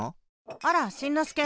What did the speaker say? あらしんのすけ。